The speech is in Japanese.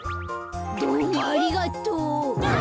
どうもありがとう。わ！